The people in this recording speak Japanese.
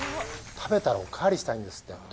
食べたらおかわりしたいんですって。